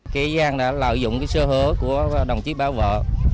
kế gian đã lợi dụng cái sơ hứa của đồng chí báo vợ